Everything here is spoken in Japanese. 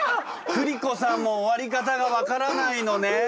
クリコさんも終わり方が分からないのね？